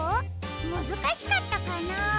むずかしかったかな？